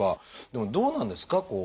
でもどうなんですか？